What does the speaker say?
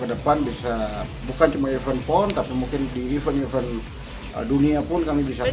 kedepan bisa bukan cuma event pon tapi mungkin di event event dunia pun kami bisa